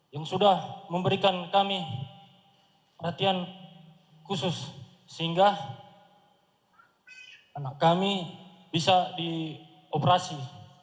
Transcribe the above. yang sudah memberikan kami perhatian khusus sehingga anak kami bisa dioperasi